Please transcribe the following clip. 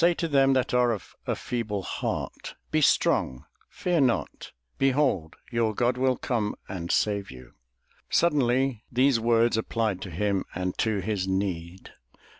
"Say to them that are of a feeble heart. Be strong, fear not; behold, your God will come ... and save you." Suddenly those words applied to him and to his need.